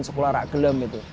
sekolah orang gelam gitu